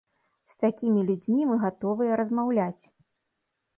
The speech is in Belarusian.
З такімі людзьмі мы гатовыя размаўляць.